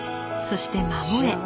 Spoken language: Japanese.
そして孫へ。